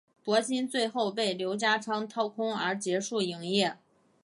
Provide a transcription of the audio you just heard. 博新最后被刘家昌掏空而结束营业。